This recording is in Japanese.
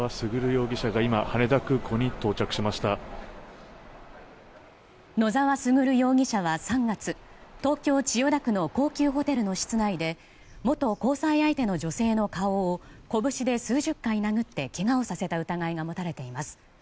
容疑者は３月東京・千代田区の高級ホテルの室内で元交際相手の女性の顔を拳で数十回殴ってけがをさせた疑いが持たれています。